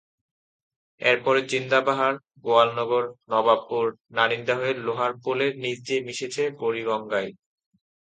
এরপরে জিন্দাবাহার, গোয়ালনগর, নবাবপুর, নারিন্দা হয়ে লোহারপুলের নিচ দিয়ে মিশেছে বুড়িগঙ্গায়।